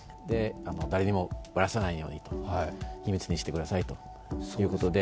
誰にもばらさないようにと秘密にしてくださいということで。